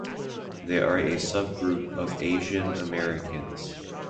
They are a subgroup of Asian Americans.